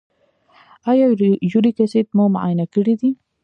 ایا یوریک اسید مو معاینه کړی دی؟